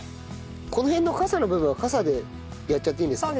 この辺のかさの部分はかさでやっちゃっていいんですか？